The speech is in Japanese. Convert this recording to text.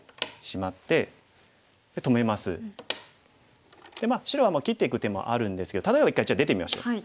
まあ白は切っていく手もあるんですけど例えば一回じゃあ出てみましょう。